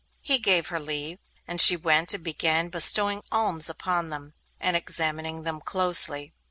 He gave her leave, and she went and began bestowing alms upon them, and examining them closely.